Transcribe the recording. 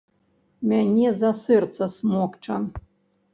Мяне за сэрца смокча.